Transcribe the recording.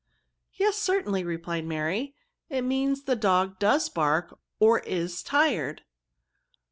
" Yes, certainly," replied Mary. " It means the dog does bark, or is tired."